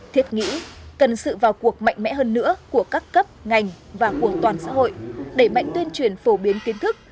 thiết nghĩ cần sự vào cuộc mạnh mẽ hơn nữa của các cấp ngành và của toàn xã hội đẩy mạnh tuyên truyền phổ biến kiến thức